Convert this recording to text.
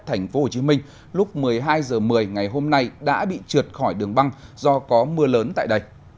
thành phố hồ chí minh lúc một mươi hai h một mươi ngày hôm nay đã bị trượt khỏi đường băng do có mưa lớn tại đây